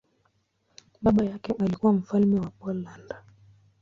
Baba yake alikuwa mfalme wa Poland.